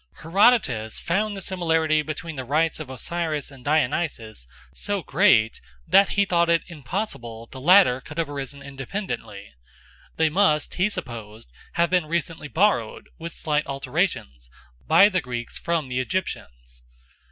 Herodotus found the similarity between the rites of Osiris and Dionysus so great, that he thought it impossible the latter could have arisen independently; they must, he supposed, have been recently borrowed, with slight alterations, by the Greeks from the Egyptians.